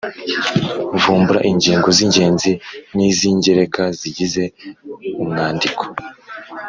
vumbura ingingo z’ingenzi n’iz’ingereka zigize umwandiko,